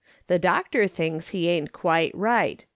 The doctor thinks he ain't quite right.